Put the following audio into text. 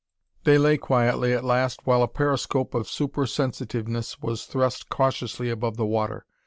They lay quietly at last while a periscope of super sensitiveness was thrust cautiously above the water.